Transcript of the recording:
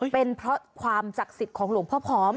เป็นเพราะความศักดิ์สิทธิ์ของหลวงพ่อพร้อม